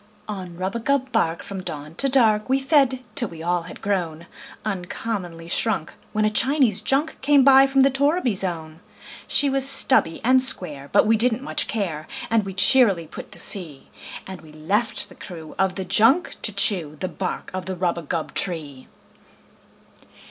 On rubagub bark, from dawn to dark, We fed, till we all had grown Uncommonly shrunk, when a Chinese junk Came by from the torriby zone. She was stubby and square, but we didn't much care, And we cheerily put to sea; And we left the crew of the junk to chew The bark of the rubagub tree.